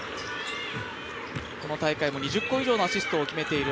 この大会も２０個以上のアシストを決めています。